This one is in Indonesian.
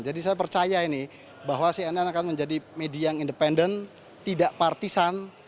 jadi saya percaya ini bahwa cnn akan menjadi media yang independen tidak partisan